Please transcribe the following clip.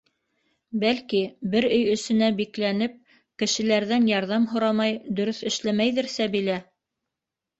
Бәлки, бер өй эсенә бикләнеп, кешеләрҙән ярҙам һорамай дөрөҫ эшләмәйҙер Сәбилә?